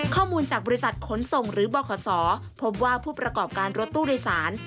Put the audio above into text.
ข้อมูลจากบริษัทขนส่งหรือบขพบว่าผู้ประกอบการรถตู้โดยสาร